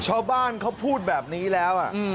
ชาวบ้านเขาพูดแบบนี้แล้ว